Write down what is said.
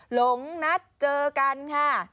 หลงนัดเจอกันค่ะ